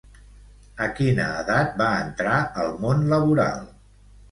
A quina edat va entrar al món laboral?